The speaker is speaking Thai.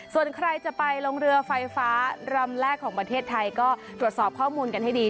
ส่วนใครจะไปลงเรือไฟฟ้ารำแรกของประเทศไทยก็ตรวจสอบข้อมูลกันให้ดี